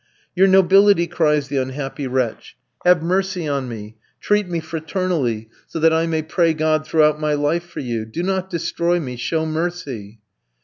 "Your nobility!" cries the unhappy wretch, "have pity on me, treat me fraternally, so that I may pray God throughout my life for you. Do not destroy me, show mercy!"